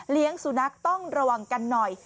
สุนัขต้องระวังกันหน่อย